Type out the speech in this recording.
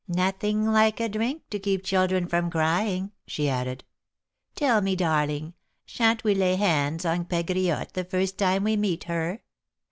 Nothing like a drink to keep children from crying," she added. "Tell me, darling, sha'n't we lay hands on Pegriotte the first time we meet with her?